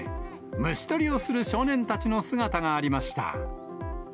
虫捕りをする少年たちの姿がありました。